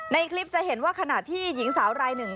ในคลิปจะเห็นว่าขณะที่หญิงสาวรายหนึ่ง